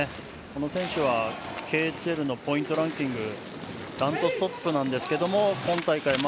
この選手はＫＨＬのポイントランキングダントツトップなんですが今大会